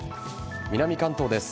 南関東です。